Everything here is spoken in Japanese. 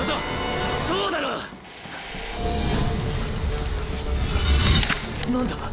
そうだろう？何だ？